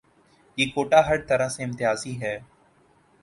یہ کوٹہ ہرطرح سے امتیازی ہے۔